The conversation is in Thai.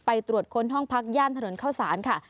ตรวจค้นห้องพักย่านถนนเข้าสารค่ะ